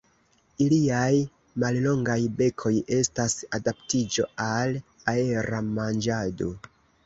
Iliaj mallongaj bekoj estas adaptiĝo al aera manĝado.